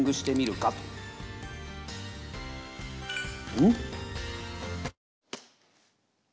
うん？